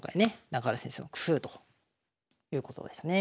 中原先生の工夫ということですね。